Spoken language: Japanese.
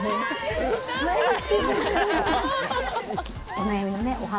お悩みのねお鼻。